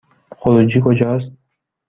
خروجی کجاست؟